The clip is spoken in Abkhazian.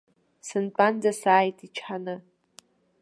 Сынтәанӡа сааит ичҳаны.